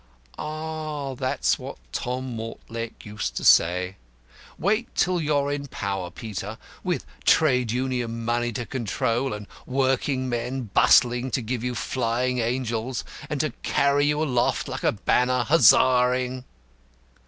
"Ah, that's what Tom Mortlake used to say. Wait till you're in power, Peter, with trade union money to control, and working men bursting to give you flying angels and to carry you aloft, like a banner, huzzahing."